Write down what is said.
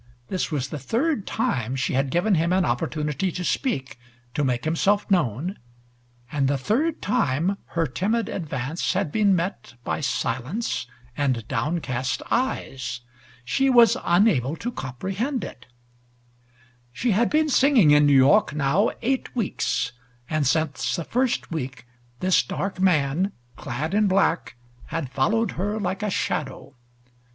This was the third time she had given him an opportunity to speak, to make himself known, and the third time her timid advance had been met by silence and down cast eyes. She was unable to comprehend it. She had been singing in New York now eight weeks, and since the first week this dark man, clad in black, had followed her like a shadow.